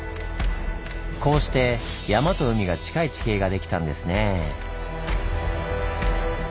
こうして山と海が近い地形ができたんですねぇ。